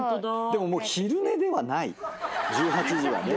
でももう昼寝ではない１８時は。